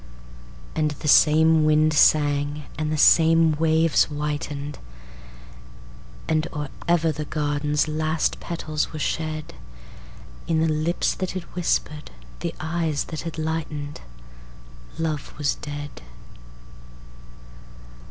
And the same wind sang and the same waves whiten'd, And or ever the garden's last petals were shed, In the lips that had whisper'd, the eyes that had lighten'd, Love was dead.